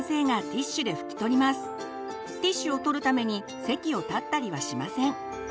ティッシュを取るために席を立ったりはしません。